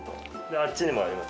あっちにもあります。